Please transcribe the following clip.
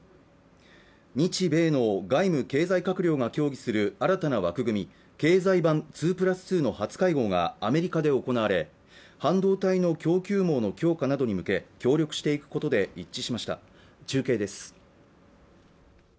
日米の外務・経済閣僚が協議する新たな枠組み経済版２＋２の初会合がアメリカで行われ半導体の供給網の強化などに向け協力していくことで一致しました中継です